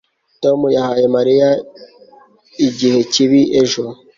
tom yahaye mariya igihe kibi ejo